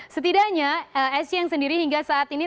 setidaknya sc yang sendiri hingga saat ini